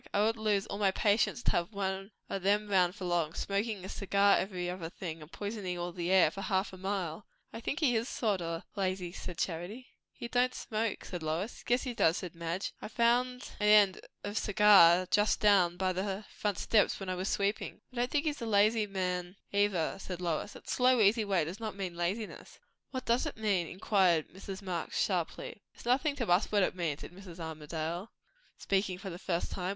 I would lose all my patience to have one o' them round for long, smokin' a cigar every other thing, and poisonin' all the air for half a mile." "I think he is sort o' lazy," said Charity. "He don't smoke," said Lois. "Yes he does," said Madge. "I found an end of cigar just down by the front steps, when I was sweeping." "I don't think he's a lazy man, either," said Lois. "That slow, easy way does not mean laziness." "What does it mean?" inquired Mrs. Marx sharply. "It is nothing to us what it means," said Mrs. Armadale, speaking for the first time.